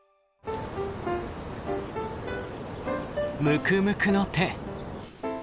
むくむくの手。